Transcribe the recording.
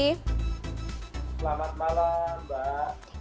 selamat malam mbak